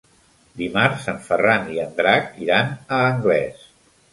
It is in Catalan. Dimarts en Ferran i en Drac iran a Anglès.